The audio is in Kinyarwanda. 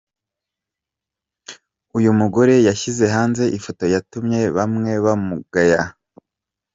Uyu mugore yashyize hanze ifoto yatumye bamwe bamugaya.